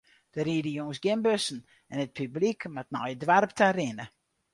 Der ride jûns gjin bussen en it publyk moat nei it doarp ta rinne.